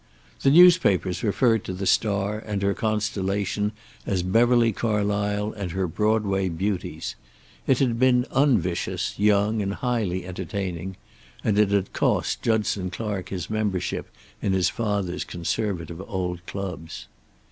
The newspapers referred to the star and her constellation as Beverly Carlysle and her Broadway Beauties. It had been unvicious, young, and highly entertaining, and it had cost Judson Clark his membership in his father's conservative old clubs.